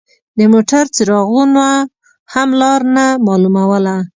د موټر څراغونو هم لار نه مالوموله.